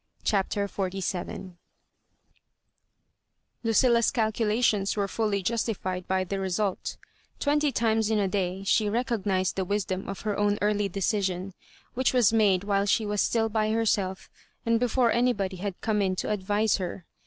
CHAPTER XLVIL LuoiLLA*s calculations were fully justified by the result Twenty times in a day she recognis ed the wisdom of her own early dedsion, which was made while she was still by herselC and be fore anybody had come in to advise her.